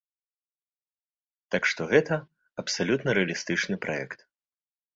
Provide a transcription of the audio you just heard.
Так што гэта абсалютна рэалістычны праект.